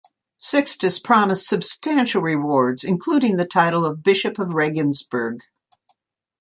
Sixtus promised substantial rewards, including the title of bishop of Regensburg.